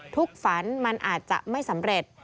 ฝันมันอาจจะไม่สำเร็จ